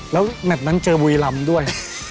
แล้วแมทนั้นเจอบุรีรำด้วย